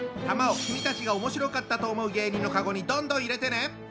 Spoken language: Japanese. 玉を君たちがおもしろかったと思う芸人のカゴにどんどん入れてね。